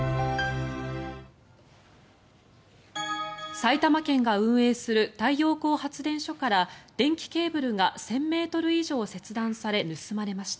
埼玉県が運営する太陽光発電所から電気ケーブルが１０００ｍ以上切断され盗まれました。